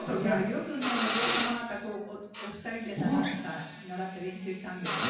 よくお嬢様方お二人で習って練習したんですか。